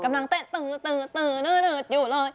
กำลังเต้นอยู่เลย